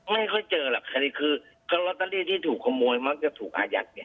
ไม่ค่อยเจอหรอกคดีคือลอตเตอรี่ที่ถูกขโมยมักจะถูกอายัดเนี่ย